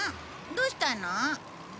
どうしたの？